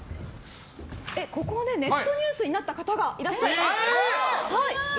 ここでネットニュースになった方がいらっしゃいます。